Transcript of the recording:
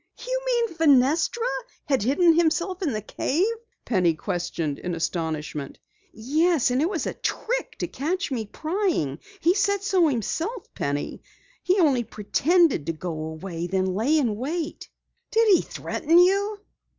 "You mean Fenestra had hidden himself in the cave?" Penny questioned in astonishment. "Yes, it was a trick to catch me prying. He said so himself, Penny. He only pretended to go away, then lay in wait." "Did he threaten you?"